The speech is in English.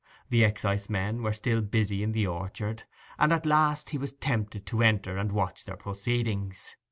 The excisemen were still busy in the orchard, and at last he was tempted to enter, and watch their proceedings.